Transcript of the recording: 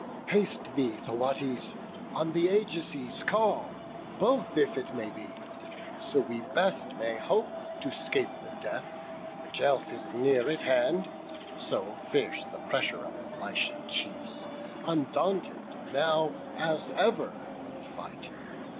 "Haste thee, Thootes, on th' Ajaces call, Both, if it may be; so we best may hope To 'scape the death, which else is near at hand; So fierce the pressure of the Lycian chiefs, Undaunted now, as ever, in the fight.